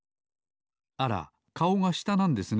あらかおがしたなんですね。